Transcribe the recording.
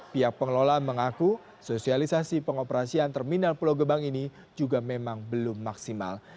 pihak pengelola mengaku sosialisasi pengoperasian terminal pulau gebang ini juga memang belum maksimal